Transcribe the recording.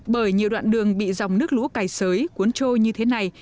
bởi nhiều đoạn đường bị dòng nước lũ cày sới cuốn trôi như thế này